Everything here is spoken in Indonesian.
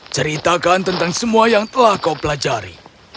ceritakan tentang semua yang telah kau pelajari